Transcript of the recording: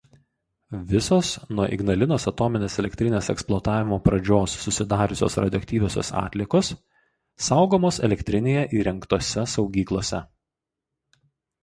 Visos nuo Ignalinos atominės elektrinės eksploatavimo pradžios susidariusios radioaktyviosios atliekos saugomos elektrinėje įrengtose saugyklose.